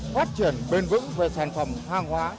phát triển bền vững về sản phẩm hàng hóa